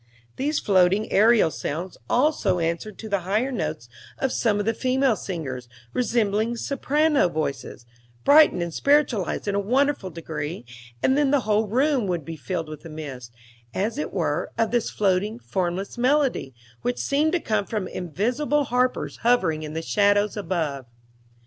These floating aerial sounds also answered to the higher notes of some of the female singers, resembling soprano voices, brightened and spiritualized in a wonderful degree; and then the wide room would be filled with a mist, as it were, of this floating, formless melody, which seemed to come from invisible harpers hovering in the shadows above.